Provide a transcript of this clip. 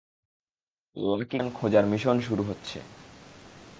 Lucky coin খোঁজার mission শুরু হচ্ছে!